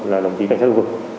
là đồng chí đại sát khu vực